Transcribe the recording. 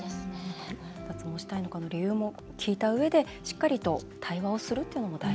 脱毛したいのかの理由も聞いたうえで、しっかりと対話をするというのも大事。